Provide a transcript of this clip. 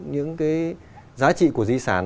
những giá trị của di sản